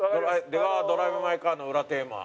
「出川ドライブ・マイ・カー」の裏テーマ。